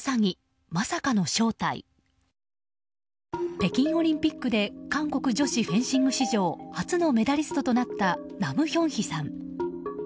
北京オリンピックで韓国女子フェンシング史上初のメダリストとなったナム・ヒョンヒさん。